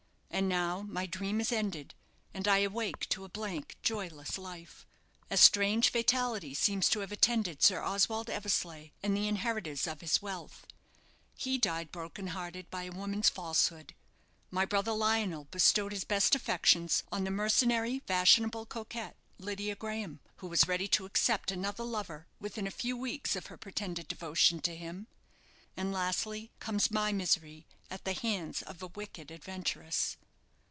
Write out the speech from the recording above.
And now my dream is ended, and I awake to a blank, joyless life. A strange fatality seems to have attended Sir Oswald Eversleigh and the inheritors of his wealth. He died broken hearted by a woman's falsehood; my brother Lionel bestowed his best affections on the mercenary, fashionable coquette, Lydia Graham, who was ready to accept another lover within a few weeks of her pretended devotion to him; and lastly comes my misery at the hands of a wicked adventuress."